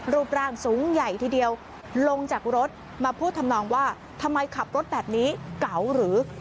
รูปร่างสูงใหญ่ทีเดียวลงจากรถมาพูดทำนองว่าทำไมขับรถแบบนี้เก๋าหรือ